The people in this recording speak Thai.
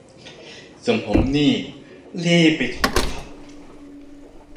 ผมนี่รีบไปช็อปเลยครับ